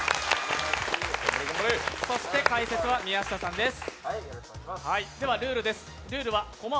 そして解説は宮下さんです。